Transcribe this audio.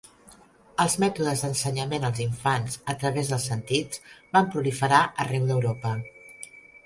Els mètodes d'ensenyament als infants a través dels sentits van proliferar arreu d'Europa.